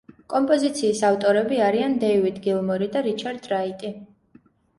კომპოზიციის ავტორები არიან დეივიდ გილმორი და რიჩარდ რაიტი.